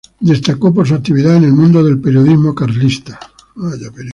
Destacó por su actividad en el mundo del periodismo carlista.